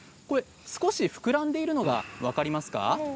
少し膨らんでいるのが分かりますか？